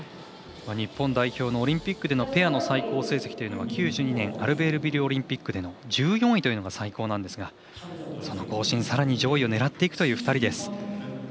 日本代表のオリンピックでのペアの最高成績というのは９２年アルベールビルオリンピックの１４位というのが最高なんですがその更新、さらに上位を狙っていくという２人です。